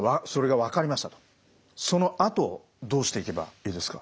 そのあとどうしていけばいいですか？